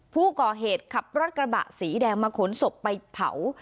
ผู้ก่อเหตุขับรถกระบะสีแดงมาขนศพไปเผา